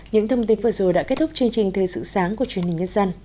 những thông tin vừa rồi đã kết thúc chương trình thời sự sáng của chuyên minh nhất dân